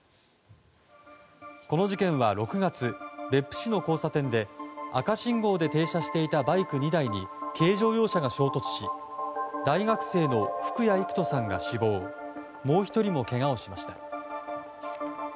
この事件は６月別府市の交差点で赤信号で停車していたバイク２台に軽乗用車が衝突し大学生の福谷郁登さんが死亡もう１人もけがをしました。